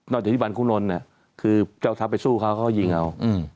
นอกจากที่บรรคุณนนท์เนี่ยคือเจ้าทัพไปสู้เขาเขาก็ยิงเอา